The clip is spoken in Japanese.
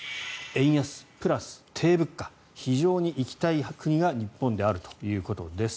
円安プラス低物価だから非常に行きたい国が日本であるということです。